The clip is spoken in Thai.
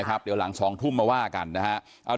นะครับเดี๋ยวหลังสองทุ่มมาว่ากันนะฮะ